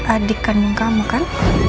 adik kanung kamu kan